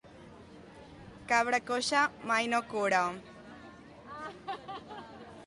Cabra coixa mai no cura.